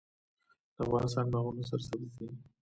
د افغانستان باغونه سرسبز دي